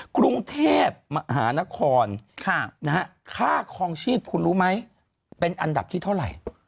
กรุงเทพมหานครค่าคลองชีพคุณรู้ไหมเป็นอันดับที่เท่าไหร่